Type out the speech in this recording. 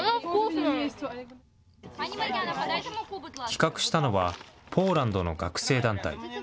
企画したのは、ポーランドの学生団体。